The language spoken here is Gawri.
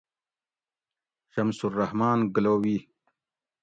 شمس الرّحمٰن گلوی